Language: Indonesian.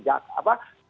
cakong amal jariah